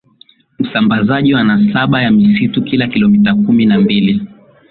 usambazaji wa nasaba ya misitu kila kilomita kumi na mbili